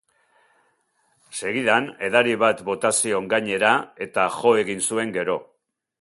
Segidan, edari bat bota zion gainera, eta jo egin zuen gero.